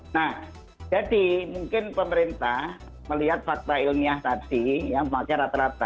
nah jadi mungkin pemerintah melihat fakta ilmiah tadi yang pakai rata rata